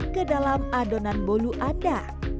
ke dalam adonan bolu anda